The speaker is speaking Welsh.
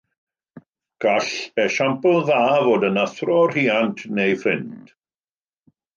Gall esiampl dda fod yn athro, rhiant neu ffrind